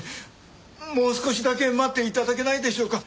もう少しだけ待って頂けないでしょうか？